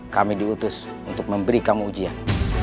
kami diutus untuk memberi kamu ujian